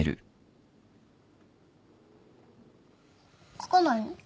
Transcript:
書かないの？